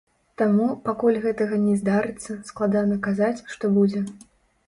Таму, пакуль гэтага не здарыцца, складана казаць, што будзе.